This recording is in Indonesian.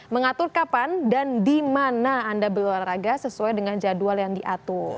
mengatur kapan dan di mana anda berolahraga sesuai dengan jadwal yang diatur